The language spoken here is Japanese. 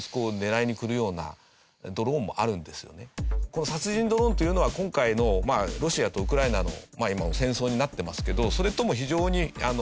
この殺人ドローンというのは今回のロシアとウクライナの今戦争になってますけどそれとも非常に深い関係がある。